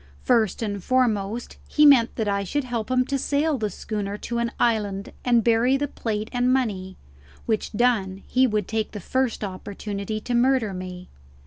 First and foremost he meant that I should help him to sail the schooner to an island and bury the plate and money; which done he would take the first opportunity to murder me.